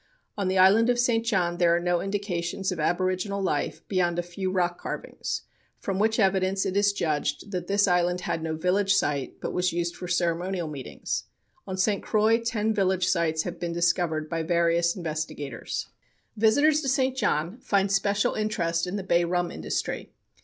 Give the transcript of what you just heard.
On the island of St. John there are no indications of aboriginal life beyond a few rock carvings, from which evidence it is judged that this island had no village site, but was used for ceremonial meetings. On St. Croix, ten village sites have been discovered by various investigators. Visitors to St. John find special interest in the bay rum industry.